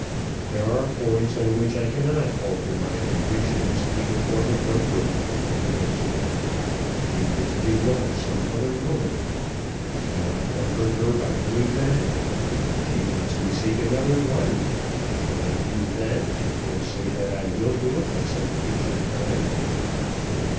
"There are points on which I cannot alter my convictions even for her comfort," he answered. "She bids me love some other woman. Can I comfort her by doing that? She bids me seek another wife. Can I do that; or say that I will do it at some future time?